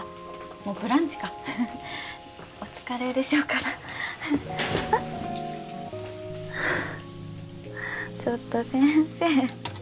もうブランチかお疲れでしょうからあっちょっと先生